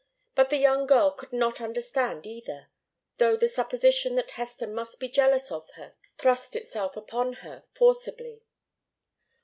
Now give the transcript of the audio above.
But the young girl could not understand either, though the supposition that Hester must be jealous of her thrust itself upon her forcibly.